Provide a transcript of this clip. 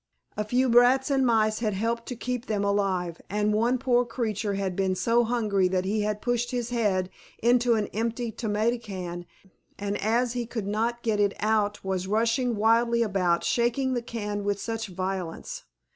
A few rats and mice had helped to keep them alive, and one poor creature had been so hungry that he had pushed his head into an empty tomato can, and as he could not get it out was rushing wildly about, shaking the can with much violence.